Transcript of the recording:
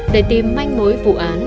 để tìm manh mối vụ án